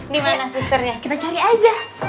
dimana susternya kita cari aja